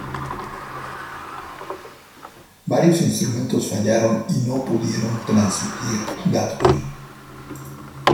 Varios instrumentos fallaron y no pudieron transmitir datos.